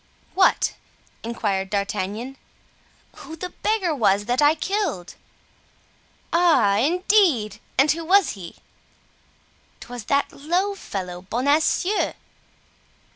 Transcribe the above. "What?" inquired D'Artagnan. "Who the beggar was that I killed." "Ah! indeed! and who was he?" "'Twas that low fellow, Bonacieux."